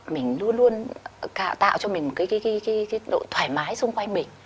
mình luôn luôn tạo cho mình một cái độ thoải mái xung quanh mình